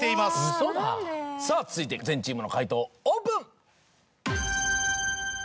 さぁ続いて全チームの解答オープン！